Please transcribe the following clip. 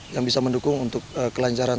yang bisa mendukung untuk kelancaran